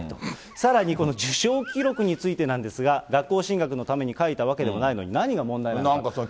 さらに、この受賞記録についてなんですが、学校進学のために書いたわけでもないのに、何が問題なのか。